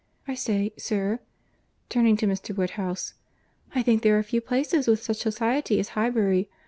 I say, sir," turning to Mr. Woodhouse, "I think there are few places with such society as Highbury.